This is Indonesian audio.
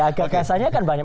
ya gagasannya kan banyak